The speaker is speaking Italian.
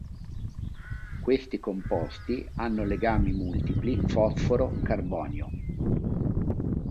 Questi composti hanno legami multipli fosforo–carbonio.